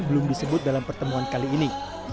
belum disebut dalam pertemuan kali ini